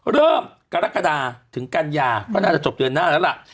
กรกฎาถึงกันยาก็น่าจะจบเดือนหน้าแล้วล่ะ